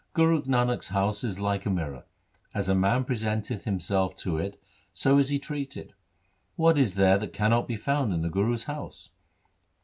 Guru Nanak's house is like a mirror. As a man presenteth himself to it so is he treated. What is there that cannot be found in the Guru's house